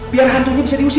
biar hantunya bisa diusir